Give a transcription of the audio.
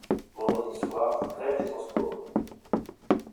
Vendredi soir, grève des transports.